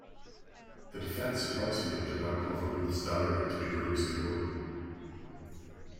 The defense surprisingly did not call for Booth's diary to be produced in court.